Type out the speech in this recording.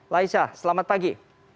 laisa selamat pagi